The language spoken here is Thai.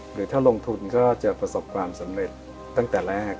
หรือถ้าลงทุนก็จะประสบความสำเร็จตั้งแต่แรก